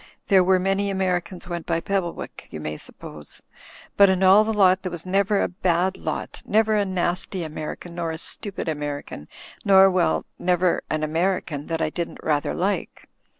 There were many Americans went by Pebblewick, you may suppose. But in all the lot there was never a bad lot ; never a nasty American, nor a stupid American — nor, well, never an American that I didn't rather like."